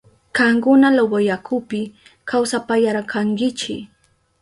Kankuna Loboyakupi kawsapayarkankichi.